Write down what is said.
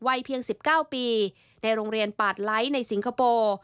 เพียง๑๙ปีในโรงเรียนปาดไลท์ในสิงคโปร์